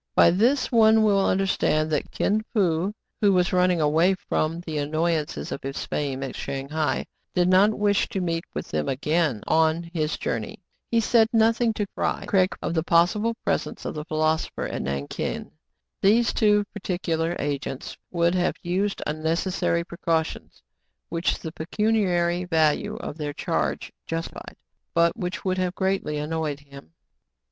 By this one will understand that Kin Fo, who was running away from the annoyances of his fame at Shang hai, did not wish to meet with them again on his journey. He said nothing to Fry Craig of the possible presence of the philoso pher at Nankin. These too particular agents would have used unnecessary precautions, which the pecuniary value of their charge justified, but which would have greatly annoyed him.